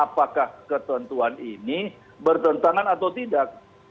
apakah ketentuan ini bertentangan atau tidak